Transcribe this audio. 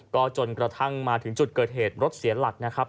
ก็จนกระทั่งมาถึงจุดเกิดเหตุรถเสียหลักนะครับ